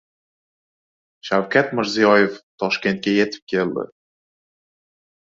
Shavkat Mirziyoyev Toshkentga yetib keldi